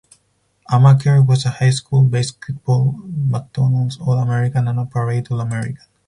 Amaker was a high school basketball McDonald's All-American and a Parade All-American.